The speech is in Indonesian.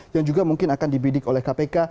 yang juga mungkin akan dibidik oleh kpk